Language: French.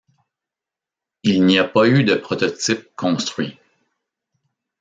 Il n’y a pas eu de prototype construit.